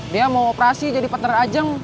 dia mau operasi jadi partner ajeng